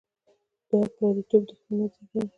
دا پرديتوب دښمني زېږوي.